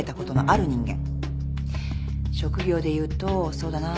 職業でいうとそうだな。